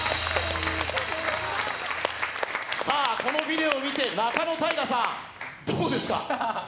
さあ、このビデオを見て、仲野太賀さん、どうですか？